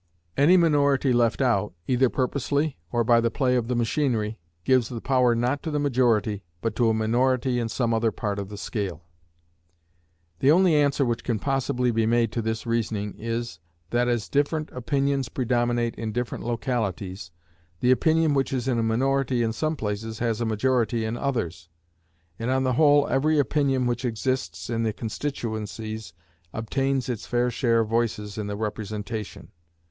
Any minority left out, either purposely or by the play of the machinery, gives the power not to the majority, but to a minority in some other part of the scale. The only answer which can possibly be made to this reasoning is, that as different opinions predominate in different localities, the opinion which is in a minority in some places has a majority in others, and on the whole every opinion which exists in the constituencies obtains its fair share of voices in the representation.